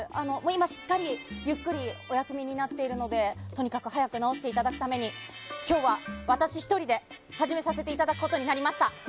今、しっかりゆっくりお休みになっているのでとにかく早く治していただくため今日は私１人で始めさせていただくことになりました。